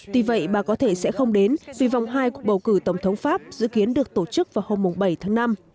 tuy vậy bà có thể sẽ không đến vì vòng hai cuộc bầu cử tổng thống pháp dự kiến được tổ chức vào hôm bảy tháng năm